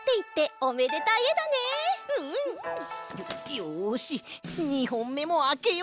よし２ほんめもあけよう。